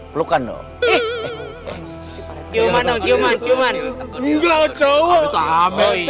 terlihat itu pelukan